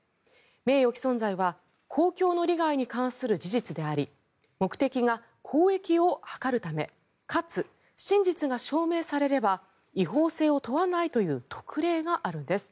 名誉毀損罪は公共の利害に関する事実であり目的が公益を図るためかつ真実が証明されれば違法性を問わないという特例があるんです。